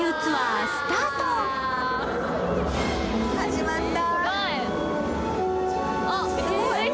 始まった。